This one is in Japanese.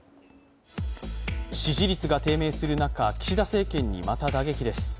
支持率が低迷する中、岸田政権にまた打撃です。